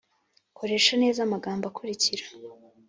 koresha neza amagambo akurikira